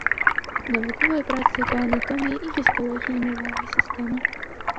Навуковыя працы па анатоміі і гісталогіі нервовай сістэмы.